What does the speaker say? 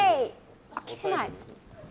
あ、切れない。